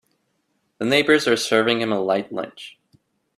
The neighbors are serving him a light lunch.